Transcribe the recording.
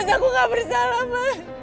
mas aku gak bersalah mas